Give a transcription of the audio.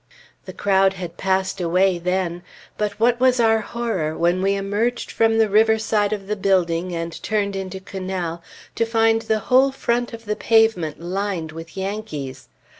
The crowd had passed away then; but what was our horror when we emerged from the river side of the building and turned into Canal, to find the whole front of the pavement lined with Yankees!